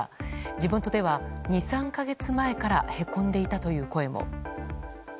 地元では、２３か月前からへこんでいたという声も。